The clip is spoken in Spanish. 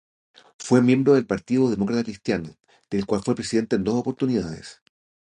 Fue miembro del Partido Demócrata Cristiano, del cual fue presidente en dos oportunidades.